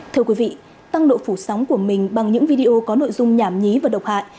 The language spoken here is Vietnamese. thưa quý vị tăng độ phủ sóng của mình bằng những video có nội dung nhảm nhí và độc hại